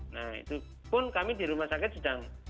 nah itu pun kami di rumah sakit sedang